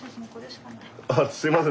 あすいません。